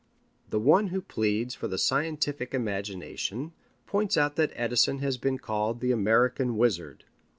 The one who pleads for the scientific imagination points out that Edison has been called the American Wizard.